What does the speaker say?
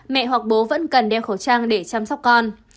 mẹ hoặc bố vẫn cần đeo khẩu trang để chăm sóc con